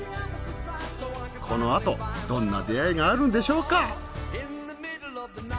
このあとどんな出会いがあるんでしょうか。